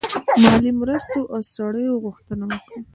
مالي مرستو او سړیو غوښتنه وکړه.